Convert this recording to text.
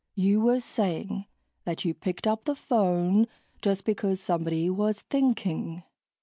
You were saying that you picked up the phone just because somebody was thinking...."